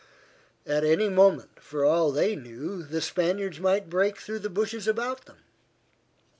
At any moment, for all they knew, the Spaniards might break through the bushes about them.